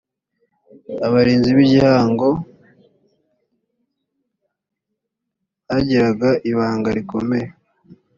abarinzi b ‘igihango bagiraga ibanga rikomeye.